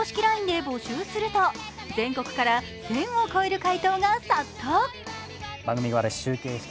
ＬＩＮＥで募集すると全国から１０００を超える回答が殺到。